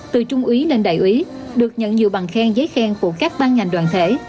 từ trung úy lên đại úy được nhận nhiều bằng khen giấy khen của các ban ngành đoàn thể